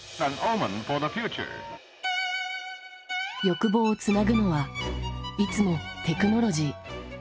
欲望をつなぐのはいつもテクノロジー。